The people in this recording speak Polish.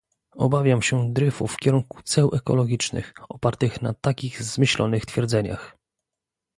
Obawiam się dryfu w kierunku ceł ekologicznych, opartych na takich zmyślonych twierdzeniach